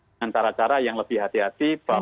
dengan cara cara yang lebih hati hati bahwa